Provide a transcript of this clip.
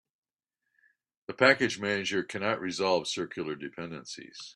The package manager cannot resolve circular dependencies.